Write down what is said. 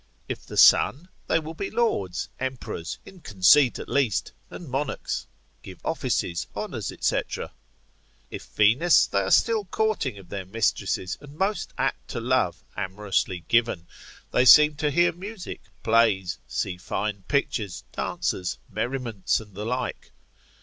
If the sun, they will be lords, emperors, in conceit at least, and monarchs, give offices, honours, &c. If Venus, they are still courting of their mistresses, and most apt to love, amorously given, they seem to hear music, plays, see fine pictures, dancers, merriments, and the like.